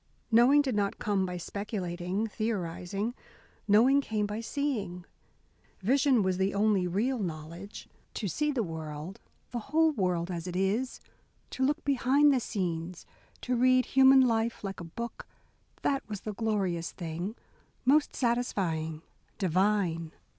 Knowing did not come by speculating, theorising. Knowing came by seeing. Vision was the only real knowledge. To see the world, the whole world, as it is, to look behind the scenes, to read human life like a book, that was the glorious thing most satisfying, divine.